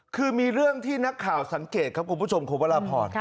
คือมีเรื่องที่นักข่าวสังเกตครับคุณผู้ชมคุณวรพร